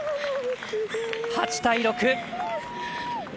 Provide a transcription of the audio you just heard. ８対６。